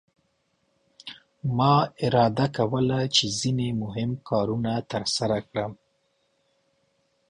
ما اداره کوله چې ځینې مهم کارونه ترسره کړم.